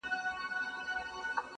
نه يوه ورځ پاچهي سي اوږدېدلاى٫